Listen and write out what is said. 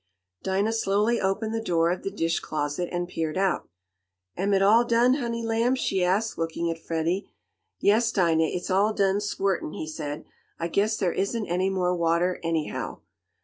Dinah slowly opened the door of the dish closet, and peered out. "Am it all done, honey lamb?" she asked, looking at Freddie. "Yes, Dinah! It's all done squirtin'," he said. "I guess there isn't any more water, anyhow."